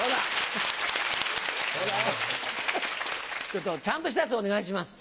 ちょっとちゃんとしたやつお願いします。